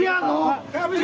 makanya kami akan berdialog